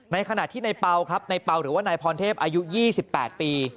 ในขณะที่ในเปล่าครับในเปล่าหรือว่านายพรเทพอายุ๒๘ปี